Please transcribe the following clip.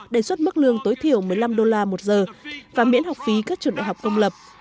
đề xuất mức lương tối thiểu một mươi năm đô la một giờ và miễn học phí các trường đại học công lập